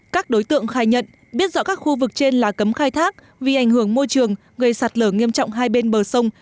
các đối tượng khai nhận biết rõ các khu vực trên là cấm khai thác vì ảnh hưởng môi trường gây sạt lở nghiêm trọng hai bên bờ sông